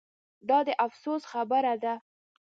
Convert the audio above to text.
دا د افسوس خبره ده